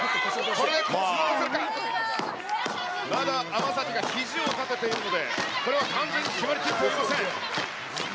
まだ天咲がひじを立てているので、これは完全に決まりきってはいません。